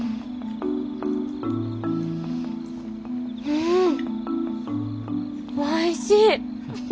んおいしい！